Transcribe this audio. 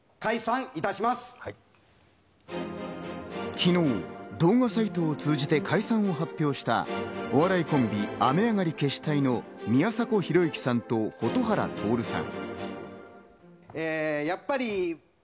昨日、動画サイトを通じて解散を発表したお笑いコンビ・雨上がり決死隊の宮迫博之さんと蛍原徹さん。